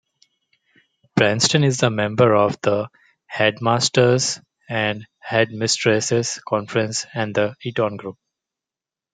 Bryanston is a member of the Headmasters' and Headmistresses' Conference and the Eton Group.